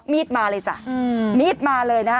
มีดมาเลยจ้ะ